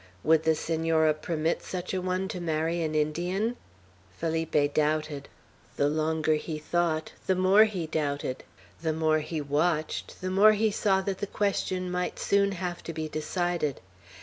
Would the Senora permit such a one to marry an Indian? Felipe doubted. The longer he thought, the more he doubted. The more he watched, the more he saw that the question might soon have to be decided.